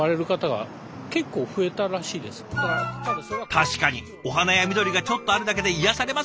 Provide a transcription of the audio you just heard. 確かにお花や緑がちょっとあるだけで癒やされますもんね。